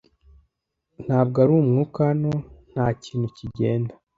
ntabwo ari umwuka hano nta kintu kigenda